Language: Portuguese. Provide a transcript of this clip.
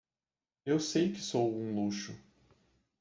Eu sei que sou um luxo.